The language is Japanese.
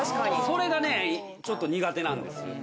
それがねちょっと苦手なんです。